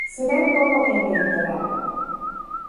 Se da en todo el Mediterráneo.